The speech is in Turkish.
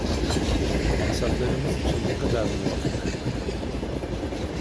Maksatlarımız için ne kadar muvafık.